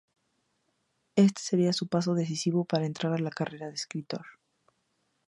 Este sería su paso decisivo para entrar en la carrera de escritor.